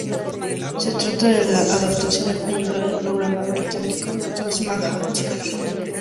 Se trata de la adaptación española del programa británico ""Taskmaster"".